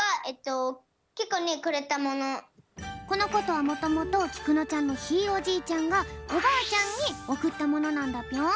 このことはもともときくのちゃんのひいおじいちゃんがおばあちゃんにおくったものなんだぴょん。